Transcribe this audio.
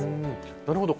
なるほど。